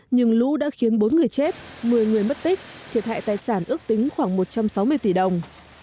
nhưng lũ đã khiến bốn người chết một mươi người mất tích thiệt hại tài sản ước tính khoảng một trăm sáu mươi tỷ đồng